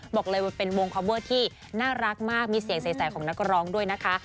บอกเลยว่าเป็นวงคอปเวอร์ที่น่ารักมากมีเสียงใสของนักร้องด้วยนะคะ